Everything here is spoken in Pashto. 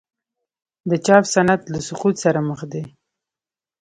د چاپ صنعت له سقوط سره مخ دی؟